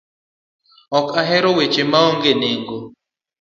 Ok a hero weche maonge nengo.